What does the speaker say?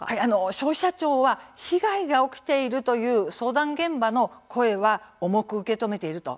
消費者庁は被害が起きているという相談現場の声は重く受け止めていると。